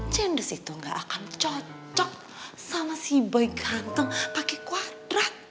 gendis itu gak akan cocok sama si boy ganteng pakai kuadrat